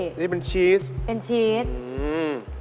นี่เป็นชีสเป็นชีสอืม